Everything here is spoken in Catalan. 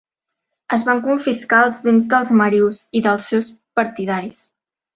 Es van confiscar els béns de Marius i dels seus partidaris.